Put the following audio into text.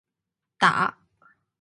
打